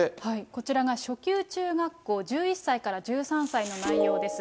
こちらが初級中学校、１１歳から１３歳の内容です。